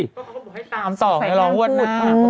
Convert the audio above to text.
ก็ต้องบอกให้ตามต่อให้รอววดนะ